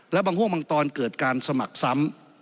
และบางห่วงบางตอนเกิดการสมัครซ้ำ